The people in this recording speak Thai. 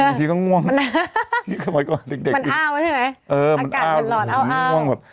บางทีก็ง่วงมันอ้าวใช่ไหมเออมันอ้าวอากาศจังหลอดอ้าวอ้าว